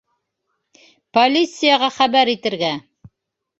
Полицияға хәбәр итергә.